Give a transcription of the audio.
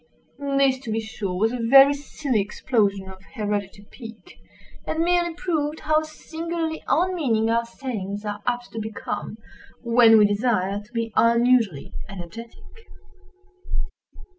This to be sure was a very silly explosion of hereditary pique; and merely proved how singularly unmeaning our sayings are apt to become, when we desire to be unusually energetic.